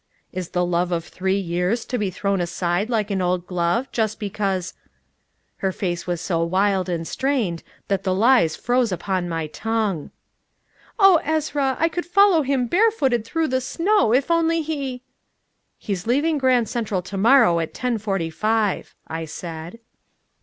"Is the love of three years to be thrown aside like an old glove, just because " Her face was so wild and strained that the lies froze upon my tongue. "Oh, Ezra, I could follow him barefooted through the snow if only he " "He's leaving Grand Central to morrow at ten forty five," I said.